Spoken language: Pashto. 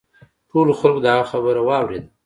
ټولو خلکو د هغه خبره واوریده.